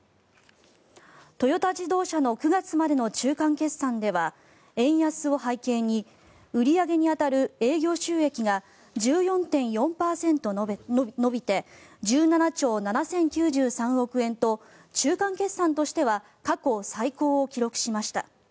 トヨタ自動車の９月までの中間決算では円安を背景に売り上げに当たる営業収益が１４．４％伸びて１７兆７０９３億円と中間決算としては過去最高を記録しました。